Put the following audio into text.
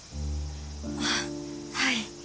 ああはい。